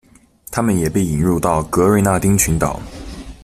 它们也被引入到格瑞纳丁群岛。